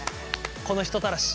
この人たらし。